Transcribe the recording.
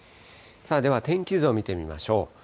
では天気図を見てみましょう。